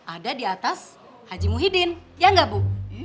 ada di atas haji muhyiddin ya nggak bu